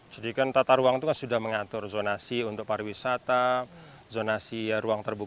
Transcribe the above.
jadi kan tata ruang itu sudah mengatur zonasi untuk pariwisata zonasi ruang terbuka